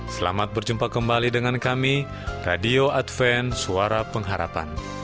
selamat berjumpa kembali dengan kami radio adven suara pengharapan